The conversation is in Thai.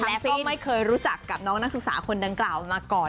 แล้วก็ไม่เคยรู้จักกับน้องนักศึกษาคนดังกล่าวมาก่อน